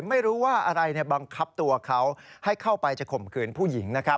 ไม่รู้ว่าอะไรบังคับตัวเขาให้เข้าไปจะข่มขืนผู้หญิงนะครับ